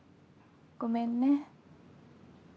ごめんね。